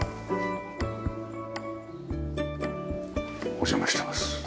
お邪魔してます。